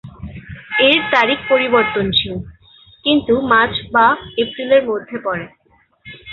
এর তারিখ পরিবর্তনশীল, কিন্তু মার্চ বা এপ্রিল মধ্যে পড়ে।